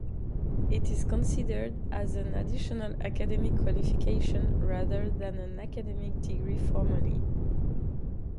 It is considered as an additional academic qualification rather than an academic degree formally.